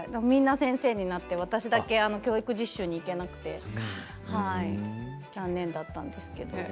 皆先生になって私だけ教育実習に行けなくて残念だったんですけど。